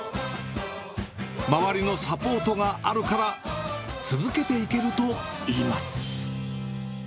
周りのサポートがあるから、続けていけるといいます。